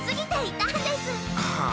はあ。